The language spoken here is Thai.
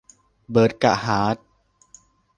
เบิร์ดกะฮาร์ท